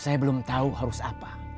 saya belum tahu harus apa